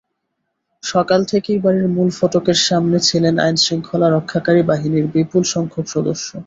সকাল থেকেই বাড়ির মূল ফটকের সামনে ছিলেন আইনশৃঙ্খলা রক্ষাকারী বাহিনীর বিপুলসংখ্যক সদস্য।